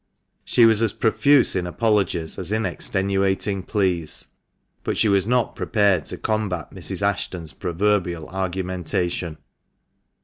She was as profuse in apologies as in extenuating pleas, but she was not prepared to combat Mrs. Ashton's proverbial argumentation.